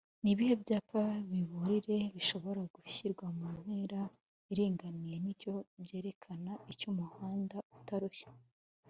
ni bihe byapa biburire bishobora gushyirwa mu intera iringaniye n’icyo byerekana?icy’umuhanda utarushya